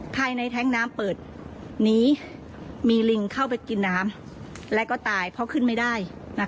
แท็งค์น้ำเปิดนี้มีลิงเข้าไปกินน้ำและก็ตายเพราะขึ้นไม่ได้